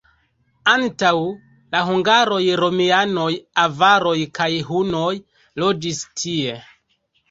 Antaŭ la hungaroj romianoj, avaroj kaj hunoj loĝis tie.